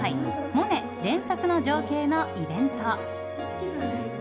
「モネ連作の情景」のイベント。